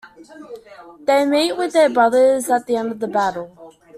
They meet with their brothers at the end of the battle.